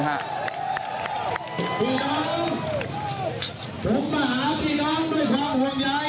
พี่น้องผมมาหาพี่น้องด้วยความห่วงใย